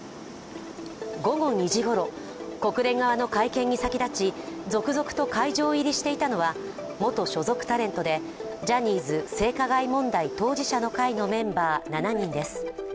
午後２時ごろ、国連側の会見に先立ち、続々と会場入りしていたのは元所属タレントでジャニーズ性加害問題当事者の会のメンバー７人です。